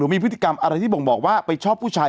มีพฤติกรรมอะไรที่บ่งบอกว่าไปชอบผู้ชาย